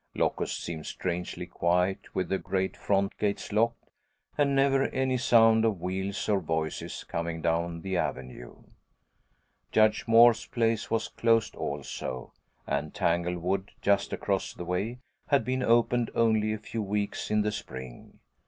Locust seemed strangely quiet with the great front gates locked, and never any sound of wheels or voices coming down the avenue. Judge Moore's place was closed also, and Tanglewood, just across the way, had been opened only a few weeks in the spring.